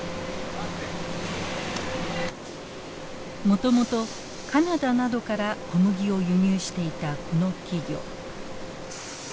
もともとカナダなどから小麦を輸入していたこの企業。